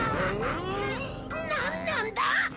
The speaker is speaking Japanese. なんなんだ？